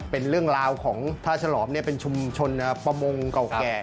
เป็นเรื่องราวของท่าฉลอมเป็นชุมชนประมงเก่าแก่